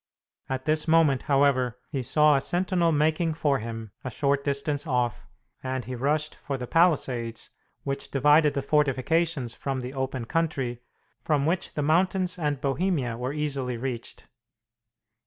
At this moment, however, he saw a sentinel making for him, a short distance off, and he rushed for the palisades which divided the fortifications from the open country, from which the mountains and Bohemia were easily reached.